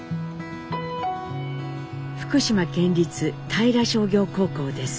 福島県立平商業高校です。